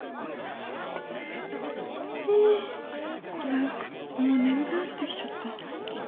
何かもう眠くなってきちゃった。